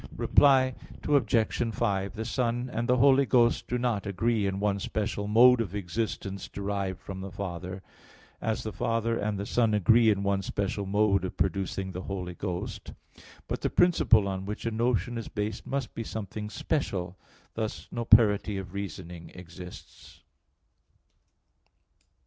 Reply Obj. 5: The Son and the Holy Ghost do not agree in one special mode of existence derived from the Father; as the Father and the Son agree in one special mode of producing the Holy Ghost. But the principle on which a notion is based must be something special; thus no parity of reasoning exists.